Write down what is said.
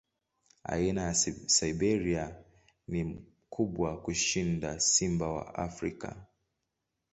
Aina ya Siberia ni kubwa kushinda simba wa Afrika.